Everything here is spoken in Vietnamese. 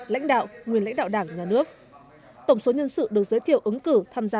lãnh đạo nguyên lãnh đạo đảng nhà nước tổng số nhân sự được giới thiệu ứng cử tham gia